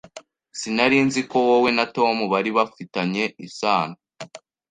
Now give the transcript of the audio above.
Sinari nzi ko wowe na Tom bari bafitanye isano.